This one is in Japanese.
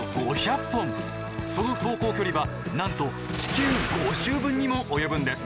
その走行距離はなんと地球５周分にも及ぶんです。